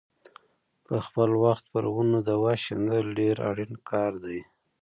په خپل وخت پر ونو دوا شیندل ډېر اړین کار دی.